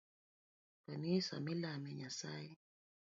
Kanisa milame nyasaye.